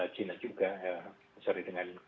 china juga sorry dengan